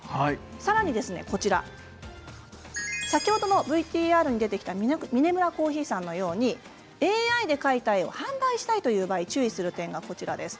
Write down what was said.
さらに先ほどのＶＴＲに出てきたミネムラコーヒーさんのようにＡＩで描いた絵を販売したいという場合注意する点が、こちらです。